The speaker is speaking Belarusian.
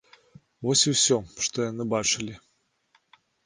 Вось і ўсё, што яны бачылі.